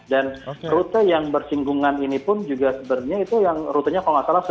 dan rute yang bersinggungan ini pun juga sebenarnya itu yang rutenya kalau nggak salah sembilan d itu